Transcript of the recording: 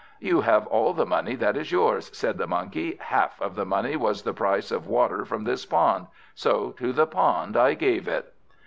"You have all the money that is yours," said the Monkey. "Half of the money was the price of water from this pond, so to the pond I gave it."